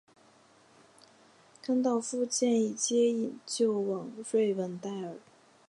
甘道夫建议接应救往瑞文戴尔。